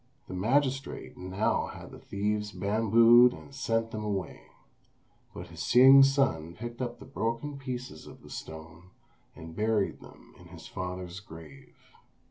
The magistrate now had the thieves bambooed and sent them away; but Hsing's son picked up the broken pieces of the stone, and buried them in his father's grave.